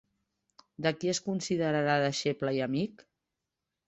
De qui es considerarà deixeble i amic?